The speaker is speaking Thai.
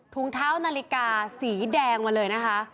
ถุงเท้านาฬิกาสีแดงมาเลยนะคะ